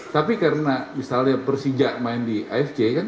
tapi karena misalnya persija main di afj